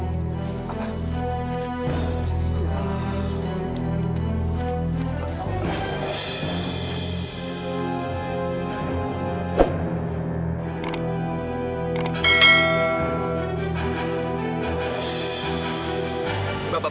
tidak tidak tidak